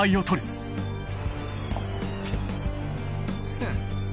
フン。